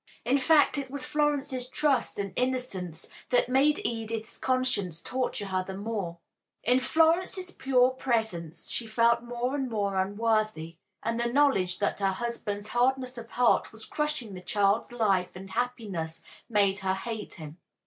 In fact, it was Florence's trust and innocence that made Edith's conscience torture her the more. In Florence's pure presence she felt more and more unworthy, and the knowledge that her husband's hardness of heart was crushing the child's life and happiness made her hate him.